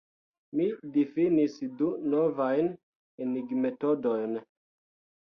Mi difinis du novajn enigmetodojn.